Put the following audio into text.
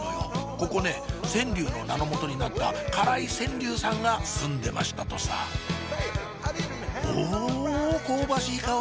ここね川柳の名のもとになった柄井川柳さんが住んでましたとさお香ばしい香り！